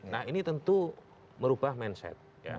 nah ini tentu merubah mindset